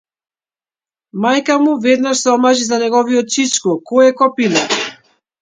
Мајка му веднаш се омажи за неговиот чичко, кој е копиле.